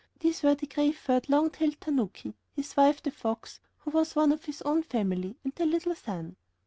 These were a grey furred, long tailed tanuki, his wife the fox, who was one of his own family, and their little son.